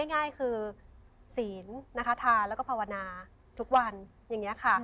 ง่ายคือศีลนะคะทาแล้วก็ภาวนาทุกวันอย่างนี้ค่ะ